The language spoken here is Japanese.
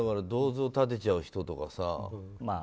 銅像を建てちゃう人とかさ。